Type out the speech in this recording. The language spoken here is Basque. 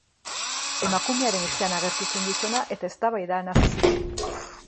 Emakumearen etxean agertu zen gizona eta eztabaidan hasi ziren.